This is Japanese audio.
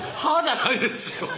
じゃないですよ